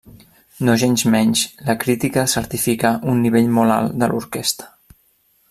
Nogensmenys, la crítica certifica un nivell molt alt de l'orquestra.